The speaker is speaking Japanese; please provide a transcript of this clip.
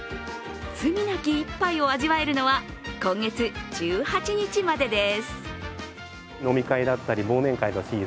罪なき一杯を味わえるのは今月１８日までです。